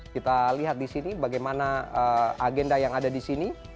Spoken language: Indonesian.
kita lihat di sini bagaimana agenda yang ada di sini